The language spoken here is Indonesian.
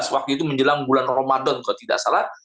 dua ribu tujuh belas waktu itu menjelang bulan ramadan kalau tidak salah